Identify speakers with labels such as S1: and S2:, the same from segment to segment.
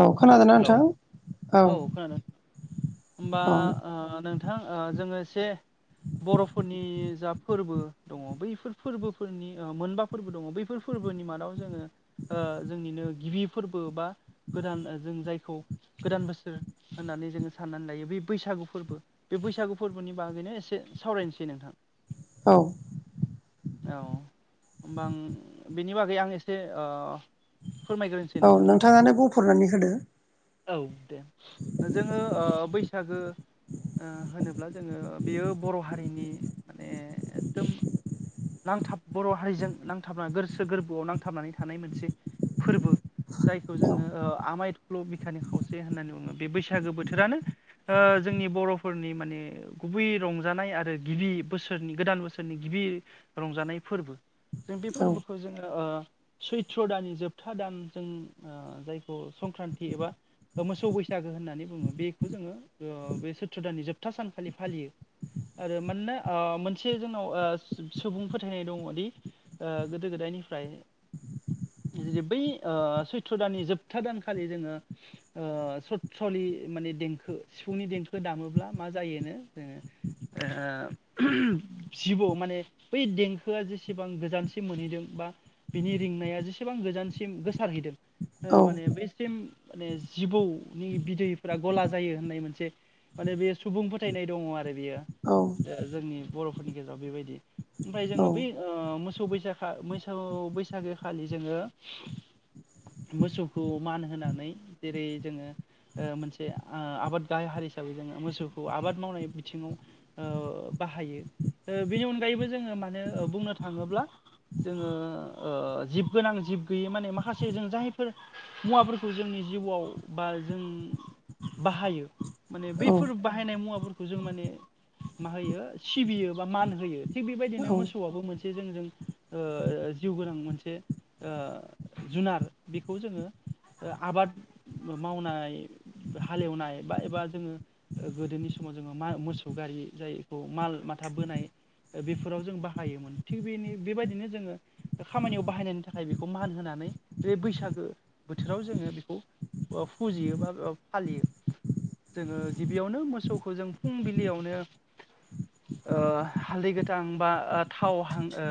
S1: औ खोनादोंना
S2: हेल'
S1: नोंथां? औ।
S2: होमबा
S1: औ
S2: ओ नोंथां ओ जों एसे बर'फोरनि जा फोरबो दङ' बैफोर फोरबोफोरनि ओ मोनबा फोरबो दङ', बैफोर फोर- बोनि मादाव जोङो ओ जोंनिनो गिबि फोरबो बा गोदान जों जायखौ गोदान बोसोर होननानै जोङो साननानै लायो बै बैसागु फोरबो बे बैसागु फोरबो- नि बागैनो एसे सावरायनोसै नोंथां।
S1: औ।
S2: औ, होमबा आं बिनि बागै आं एसे ओ फोरमायग्रोनोसै
S1: औ
S2: नोंथां
S1: नोंथाङानो बुंफुरनानै होदो
S2: औ दे, जोङो ओ बैसागो ओ होनोब्ला जोङो बेयो बर' हारिनि माने एकदम नांथाब बर' हारिजों नांथाबना गोसो गोरबोआव नांथाबनानै थानाय मोनसे फोरबो। जायखौ
S1: औ
S2: जोङो ओ आमाय-थख्ल' बिखानि खावसे होननानै बुङो, बे बैसागो बोथोरानो ओ जों- नि बर'फोरनि माने गुबै रंजानाय आरो गिबि बोसोरनि गोदान बोसोरनि गिबि रंजानाय फोरबो। जों बे
S1: औ
S2: फोरबोखौ जोङो ओ सैथ्र दाननि जोबथा दान जों ओ जायखौ संक्रान्ति एबा मोसौ बैसागो होननानै बुङो बेखौ जोङो ओ बे सैत्र दाननि जोबथा सानखालि फालियो। आरो मानोना ओ मोनसे जोंनाव ओ सुबुं फोथायनाय दङ'दि ओ गोदो गोदायनिफ्राय जे बै ओ सैत्र दाननि जोबथा दानखालि जोङो ओ सत्रलि माने देंखो सिफुंनि देंखो दामोब्ला मा जायोनो जोङो ओ उहुम जिबौ माने बै देंखोआ जेसेबां गोजानसिम मोनहैदों बा बिनि रिंनाया जेसेबां गोजानसिम गोसारहैदों ओ
S1: औ
S2: माने बैसिम माने जिबौनि बिदैफ्रा गला जायो होननाय मोनसे माने बे सुबुं फोथायनाय दङ' आरो बेयो
S1: औ
S2: जोंनि बर'फोरनि गेजेराव बेबायदि। ओमफाय
S1: औ
S2: जोंङो बै ओ मो- सौ बैसाखा मोसौ बैसागो खालि जोंङो मोसौखौ मान होनानै जेरै जोङो ओ मोनसे ओ आबाद गाहाय हारि हिसाबै जोंङो मोसौखौ आबाद मावनाय बिथिंङाव ओ बाहायो, ओ बेनि अनगायैबो जोंङो मानोे ओ बुंनो थाङोब्ला जोंङो ओ जिब गोनां जिब गैयै माने माखासे जों जायफोर मुवाफोरखौ जोंनि जिउआव बा जों बाहायो माने
S1: औ
S2: बैफोर बाहायनाय मुवाफोरखौ जों माने मा होयो सिबियो बा मान होयो। थिग बेबायदिनो
S1: औ औ
S2: मोसौआबो मोन- से जोंजों ओ जिउ गोनां मोनसे ओ जुनार बेखौ जोंङो ओ आबाद मावनाय हालेवनाय बा एबा जोंङो गोदोनि स- समाव जोंङो मा मोसौ गारि जायखौ माल माथा बोनाय बेफोराव जों बाहायोमोन। थिग बेनि बेबायदिनो जोंङो खामानियाव बाहायनायनि थाखाय बेखौ मान होनानै बैसागो बोथोराव जोंङो बेखौ फुजियो बा ओ फालियो। जोङो गिबियावनो मोसौखौ जों फुंबिलियावनो ओ हालदै गोथां बा ओ थाव हां ओ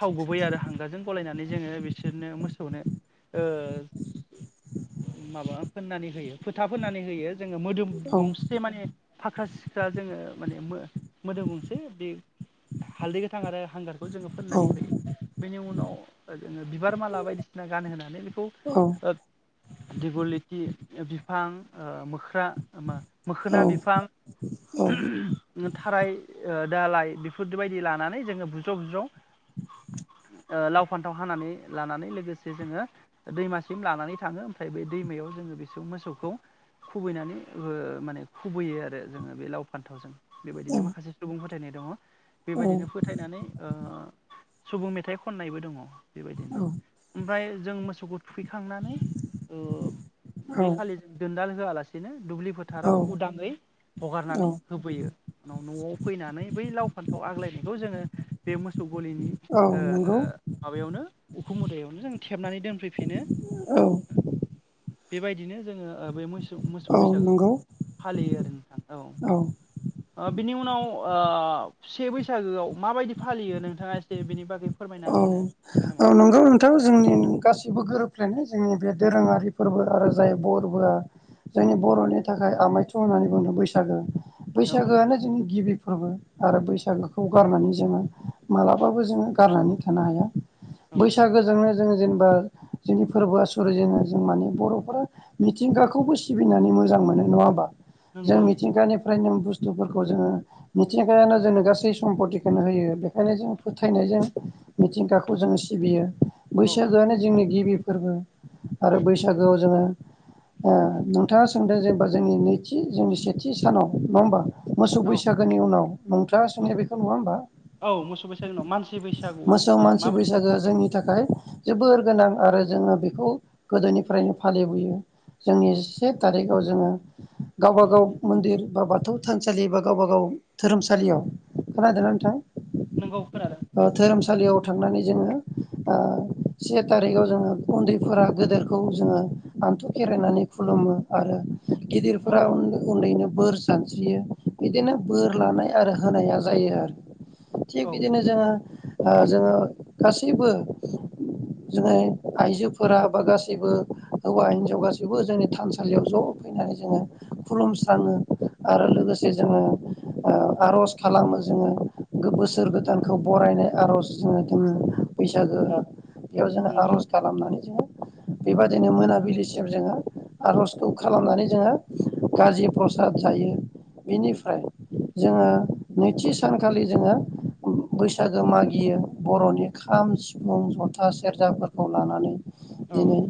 S2: थाव गुबै आरो हांगारजों गलायनानै जोङो बिसोरनो मोसौनो ओ माबा फोननानै होयो फोथा फोननानै होयो। जोङो मोदोम
S1: औ
S2: गंसे माने फाख्रा-सिख्रा जोंङो माने मोदोम गंसे बे हालदै गोथां आरो हांगारखौ जोंङो फोननानै होयो। बेनि उ- नाव जोङो बिबार माला बायदिसिना गानहोनानै बेखौ ओ दिग' लिति बिफां ओ मोख्रा मा मोखोना बिफां थाराय ओ दालाय बेफोरबायदि लानानै जोंङो बुज्राव बुज्राव ओ लाव फान्थाव हानानै लानानै लोगोसे जोंङो दैमासिम लानानै थांङो ओमफ्राय बे दैमायाव जोंङो बेसौ मोसौखौ खुबैनानै ओ माने खुबैयो आरो जोंङो बे लाव फान्थावजों बेबायदिनो माखासे सुबुं फोथायनाय दङ। बेबायदिनो फोथायनानै ओ सुबुं मेथाइ खननायबो दङ बेबायदिनो ओमफ्राय जों मोसौखौ थुखैखांनानै ओ
S1: औ
S2: बै खालि दोनदाल होआलासेनो दुब्लि फोथाराव
S1: औ
S2: उदाङै हगारनानै होफैयो उनाव न'आव फैनानै बै लाव फान्थाव आग्लायनायखौ जोंङो बे मोसौ गलिनि
S1: औ
S2: ओ
S1: नंगौ
S2: माबायावनो उखुम मुदायावनो जों थेबनानै दोनफैफिनो।
S1: औ
S2: बेबायदिनो जोंङो ओ बे मोस सौ मोसौ
S1: औ
S2: बैसागुखौ
S1: नंगौ
S2: फालियो आरो नोंथां औ ओ बिनि उनाव ओ से बैसागोआव माबायदि फालियो नोंथाङा एसे बिनि बागै फोरमायना
S1: औ
S2: होनो हागोन नामा?
S1: औ नंगौ नोंथां जोंनि गासिबो गोरोब फ्लेनाय जोंनि बे दोरोङारि फोरबो आरो जाय बरबोआ जोंनि बर'नि थाखाय आमायथु होननानै बुंङो बैसागो
S2: औ
S1: बैसागोआनो जोंनि गिबि फोरबो आरो बैसागोखौ गारनानै जोंङो मालाबाबो जोंङो गारनानै थानो हाया।
S2: औ
S1: बैसागोजोंनो जोंङो जेनेबा जोंनि फोरबो आसुरि जोंङो जों माने बर'फोरा मिथिंगाखौबो सिबिनानै मो मोजां मोनो नङा होमबा जों
S2: नंगौ
S1: मिथिंगानि फ्रायनो बुस्थुफोरखौ जोंङो मिथिंगायानो जोंनो गासै सम्पतिखौनो होयो बेखायनो जों फोथायनाय जों मिथिंगाखौ जों सिबियो
S2: औ
S1: बैसागोआनो जोंनि गबि। फोरबो आरो बैसागोआव जोङो। ओ नोंथाङा सोंदों जेनेबा जोंनि नैथि जोंनि सेथि सानाव नङा होमबा। मोसौ
S2: औ
S1: बैसागोनि उनाव नोंथांङा
S2: औ
S1: सोंना बेखौ नङा होमबा।
S2: औ मोसौ बैसागोनाव मानसि
S1: मोसौ
S2: बैसागुखौ जों
S1: मानसि
S2: माबायदि
S1: बैसागोआ जोंनि। थाखाय जोबोर गोनां आरो जोङो बेखौ गोदोनिफ्रायनो फालिबोयो। जोंनि से थारिखाव जोङो गावबाागाव मन्दिर बा बाथौ थानसालि बा गावबा गाव। धोरोमसालियाव खोनादोंनानोंथां।
S2: नोंगौ खोनादों।
S1: सालियाव थांनानै जोङो ओ से थारिखाव जोङो उन्दैफोरा गेदेरखौ जोङो आनथु' खेरायनानै खुलुमो आरो
S2: औ
S1: गिदिरफोरा उन्दैनो। बोर सानस्रियो बिदिनो बोर लानाय आरो होनाया जायो आरो। थिग
S2: औ
S1: बिदिनो
S2: नंगौ
S1: जोङो ओ जोङो गासैबो जोङो आइजोफोरा बा गासैबो हौवा हिनजाव गासैबो जोंनि थानसालियाव ज'। फैनानै जोङो खुलुमस्राङो आरो लोगोसे जोङो ओ आर'ज खालामो जोङो बोसोर गोदानखौ बरायनो आर'ज जोङो जोङो बैसागोआ बेयाव जोङो
S2: नंगौ
S1: आर'ज खालामनानै जोङो बेबायदिनो मोनाबिलिसिम जोङो। आर'जखौ खालामनानै जोंङो गाजि प्रसाद जायो बेनिफ्राय। जोङो नैथि सानखालि जोङो बैसाग गो मागियो बर'नि खाम सिफुं जन्था सेरजाफोरखौ लानानै।
S2: औ
S1: दिनै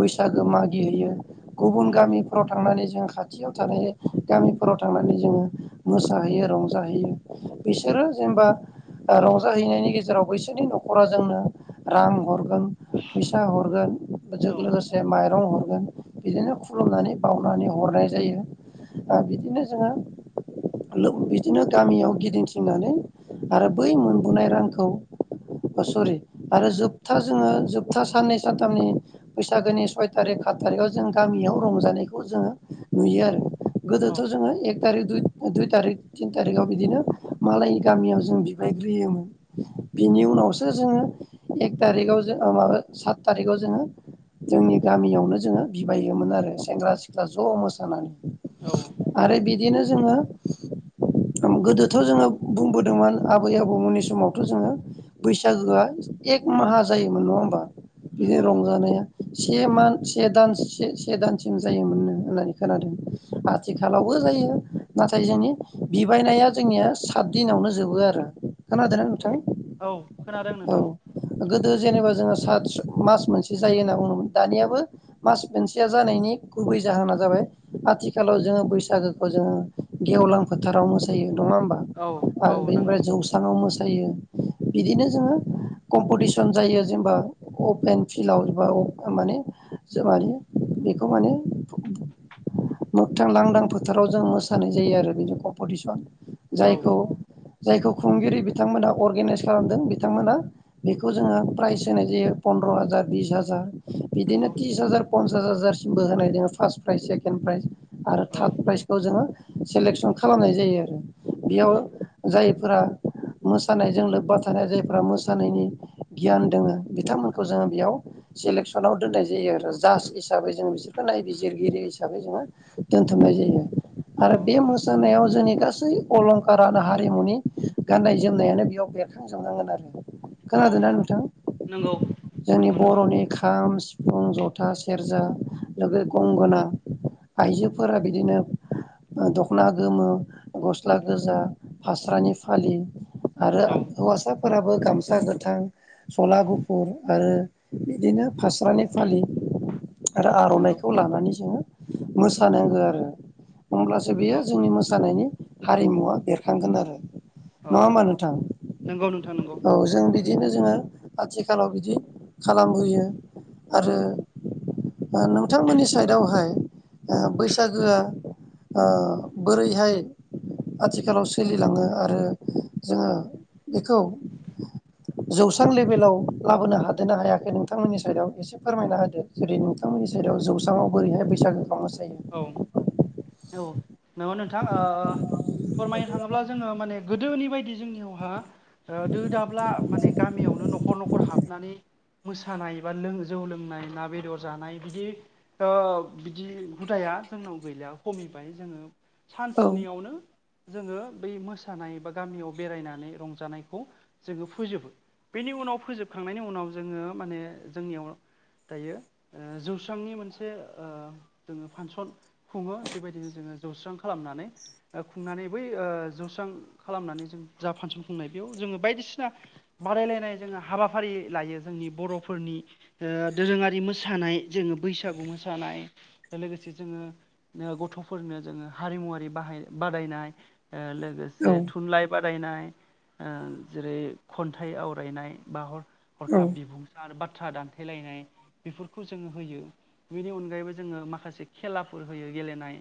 S1: बैसागो मागिहैयो गुबुन
S2: नंगौ
S1: गामिफ्राव थांनानै जों। खाथियाव थानाय गामिफोराव थानानै जोङो मोसाहैयो रंजाहैयो बिसोरो। जेनेबा रंजाहैनायनि गेजेराव बैसोरनि न'खरा जोंनो रां हर। गोन फैसा हरगोन बेजों
S2: औ
S1: लोगोसे माइरं हर। गोन बिदिनो खुलुमनानै बावनानै हरनाय जायो बिदिनो जोङो। बिदिनो गामियाव गिदिंथिंनानै आरो बै मोनबोनाय रांखौ सरि आरो जोबथा जोङो जोबथा साननै सानथामनि बैसागोनि सय थारिख सात थारिखआव जों गामियाव रंजानायखौ जोङो नुयो आरो
S2: औ
S1: गोदोथ' जोङो एक थारिख दुइ दुइ थारिख थिन थारिकाव बिदिनो मालायनि गामियाव जों बिबाय ग्रोयोमोन बिनि उनावसो जोङो एक थारिकाव जो माबा सात थारिखआव जोङो जोंनि गामियावनो जोङो बिबाययोमोन आरो सेंग्रा सिख्ला ज' मोसानानै।
S2: औ
S1: आरो बिदिनो जोङो गोदोथ' जोङो बुंबोदोंमोन बै आबौमोननि समावथ' जोङो बैसागोआ एक माहा जायोमोन नङा होमबा। बिनि
S2: नंगौ
S1: रंजानाया से
S2: औ
S1: मान से दानस से से दानसिम जायोमोननो होननानै खोनादों आथिखालावबो जायो नाथाय जोंनि बिबायनाया जोंनिया सात दिनावनो जोबो आरो। खोनादों न नोंथां
S2: औ औ खोनादों
S1: औ
S2: नोंथां
S1: गोदो जेनेबा जोङो सादस मास मोनसे जायो होनना ब बुंङोमोन दानियाबो मास मोनसेया जानायनि गुबै जाहोना जाबाय आथिखालाव जोङो बैसागोखौ जोङो गेवलां फोथाराव मोसायो। नङा होमबा
S2: औ औ
S1: आरो बेनिफ्राय
S2: नंगौ
S1: जौ मोसायो बिदिनो जोङो कम्पटिसन जायो जेनेबा अपलायेन फिल्डआव। बा माने ज मानि बेखौ माने मोगथां लांदां फोथाराव जों मोसानाय जायो आरो बि कम्पटिसन।
S2: औ
S1: जायखौ जायखौ खुंगिरि बिथांमोनहा अर्गेनाइस खालामदों बिथांमोनहा बेखौ जोङो प्राइस होनाय जायो पन्द्र' हाजार बिस हाजार बिदिनो
S2: नंगौ
S1: तिस हाजार पन्सास हाजारसिमबो होनाय दोङो पास प्राइज सेकेन प्राइज। आरो थार्द
S2: औ
S1: प्राइजखौ जोङो सेलेकसन खालामनाय जायो आरो बेयाव
S2: नंगौ
S1: जाय
S2: [inaudible]
S1: मोसानायजों लोब्बा थानाय जायफ्रा मोसानायनि गियान दङ बिथांमोनखौ जोङो बेयाव इलेकसनाव दोननाय जायो आरो जास हिसाबै जों बिसोरखौ नायबिजिरगिरि हिसाबै जोङो दोनथुमनाय जायो।
S2: औ
S1: आरो बे मोसानायाव जोंनि गासै अलंखारानो आरो हारिमुनि गाननाय जोमनायानो बेयाव बेरखांजोबनांगोन आरो
S2: औ
S1: खोनादोंना नोंथां
S2: नंगौ
S1: जोंनि
S2: नंगौ नोंथां
S1: बर'नि खाम सि सिफुं जथा सेरजा लोगो गंगोना आइजोफोरा बिदिनो दख'ना गोमो गस्ला गोजा फास्रानि फालि आरो
S2: औ
S1: हौवासा फोराबो गामसा गोथां सला गुफुर आरो बिदिनो फास्रानि फालि आरो
S2: नंगौ
S1: आर'नाइखौ लानानै जोङो मोसानोंगो आरो होमब्लासो बेयो
S2: औ
S1: जोंनि मोसानायनि हारिमुवआ बेरखांगोन आरो
S2: औ
S1: नङा होमबा नोंथां
S2: नंगौ नोंथां नंगौ
S1: औ जों बि बिदिनो जोङो आथिखालाव बिदि खालामबोयो आरो नोंथांमोननि साइडआवहाय बैसागोआ आ बोरैहाय आथिखालाव सोलिलाङो आरो आरो जोङो बेखौ जौस्रां लेभेलाव लाबोनो हादों ना हायाखै नोंथांमोननि साइदआव इसे फोरमायना होदो जेरै नोंथांमोन जेराव जौस्रांआव बोरैहाय बैसागोखौ मोसा
S2: औ औ नंगौ नोंथां ओ फोरमायनो थाङोब्ला जोङो माने गोदोनि बायदि जोंनियावहा दो दाब्ला माने गामियावनो न'खर न'खर हाबनानै मोसानाय बा जौ लोंनाय ना बेदर जानाय बिदि ओ बिदि हुदाया जोंनाव गैला खमिबाय जोङो
S1: औ
S2: सानसेनियावनो जोङो बै मोसानाय बा गामियाव बेरायनानै रंजानायखौ जोङो फोजोबो बेनि उनाव फोजोबखांनायनि उनाव जोङो माने जोंनियाव दायो ओ जौस्रांनि मोनसे ओ जोङो फांसन खुङो बेबायदिनो जोङो जौस्रां खालामनानै खुंनानै बै जौस्रां खालामनानै जों जा फांसन खुंनाय बेयाव जोङो बायदिसिना बादायलायनाय जोङो हाबाफारि लायो जोंनि बर'फोरनि दोरोङारि मोसानाय जोङो बैसागु मोसानाय लोगोसे जोङो गथ'फोरनो जोङो हारिमुवारि बाहाय बादायनाय लोगोसे
S1: औ
S2: थुनलाइ बा बादायनाय जेरै खन्थाइ आवरायनाय बा हर हरखाब बिबुंसार बा बाथ्रा दान्थेलायनाय बेफोरखौ जोङो होयो बेनि अनगायैबो जोङो माखासे माखासे खेलाफोर होयो गेलेनाय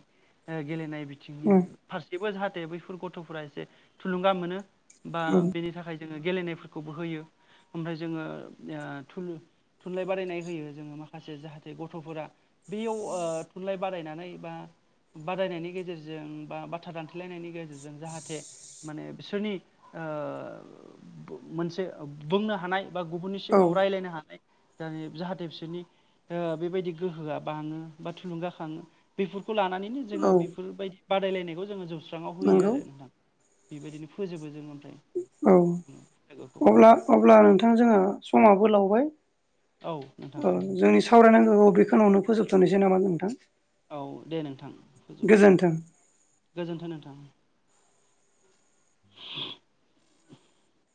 S2: गेलेनाय बिथिंनि
S1: औ
S2: फारसेबो जाहाथे बैफोर गथ'फोरा एसे थुलुंगा मोनो बा
S1: औ
S2: बेनि थाखाय जों गेलेनायफोरखौबो होयो ओमफ्राय जोङो थुनलाइ बादायनाय होयो जोङो माखासे जाहाथे गथ'फोरा बेयाव थुनलाइ बादायनानै बा बादायनायनि गेजेरजों बा बाथ्रा दानथेलायनायनि गेजेरजों जाहाथे माने बिसोरनि मोनसे बुंनो हानाय बा गुबुननि सिगाङाव
S1: औ
S2: रायज्लायनो हानाय जाहाथे बिसोरनि बेबायदि गोहोआ बाङो बा थुलुंगाखाङो बेफोरखौ लानानैनो जोङो
S1: औ
S2: बेफोरबायदि बादायलायनायखौ जोङो जौस्रांआव होयो
S1: नंगौ
S2: आरो नोंथां बेबायदिनो फोजोबो जोङो
S1: औ अब्ला अब्ला नोंथां जोंहा समाबो लावबाय
S2: औ नोंथां
S1: औ जोंनि सावरायनांगौ बेे खिनिआवनो फोजोबथ'नोसै नामा नोंथां
S2: औ दे नोंथां फोजोब
S1: गोजोन्थों।
S2: गोजोनथों नोंथां [inaudible] [unintelligible]